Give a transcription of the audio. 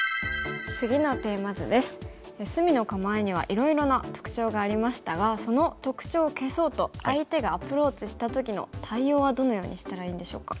隅の構えにはいろいろな特徴がありましたがその特徴を消そうと相手がアプローチした時の対応はどのようにしたらいいんでしょうか。